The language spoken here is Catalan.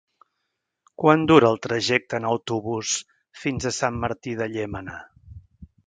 Quant dura el trajecte en autobús fins a Sant Martí de Llémena?